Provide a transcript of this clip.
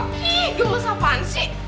ih gue gak usah panci